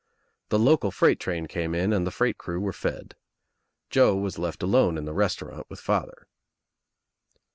The local freight train came In and the freight crew were fed. Joe was left alone in the restaurant with _ father.